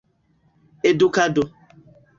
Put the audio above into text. edukado